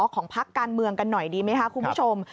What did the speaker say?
ของพักการเมืองกันหน่อยดีไหมคะคุณผู้ชม